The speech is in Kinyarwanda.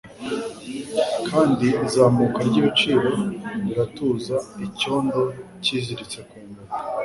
kandi izamuka ryibiciro riratuza Icyondo cyiziritse ku nkweto